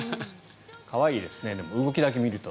可愛いですねでも動きだけ見ると。